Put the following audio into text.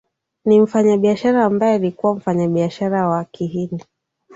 Ni mfanya biashara ambae alikuwa mfanya biashara wa kihindi